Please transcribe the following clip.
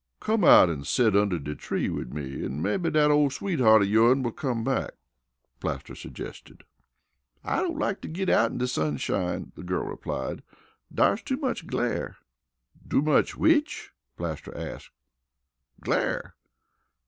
"Come out an' set under de tree wid me an' mebbe dat ole sweetheart of yourn will come back," Plaster suggested. "I don't like to git out in de sunshine," the girl replied. "Dar's too much glare." "Too much which?" Plaster asked. "Glare."